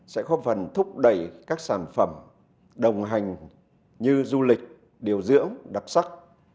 sẽ góp phần thúc đẩy các sản phẩm đồng hành như du lịch điều dưỡng đặc sắc